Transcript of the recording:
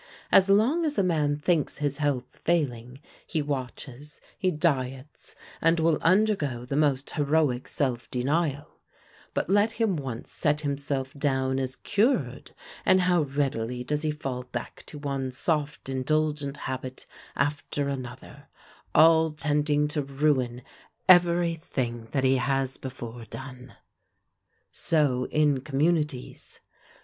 As long as a man thinks his health failing, he watches, he diets, and will undergo the most heroic self denial; but let him once set himself down as cured, and how readily does he fall back to one soft indulgent habit after another, all tending to ruin every thing that he has before done! So in communities.